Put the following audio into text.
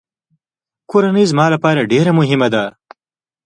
کورنۍ زما لپاره ډېره مهمه ده.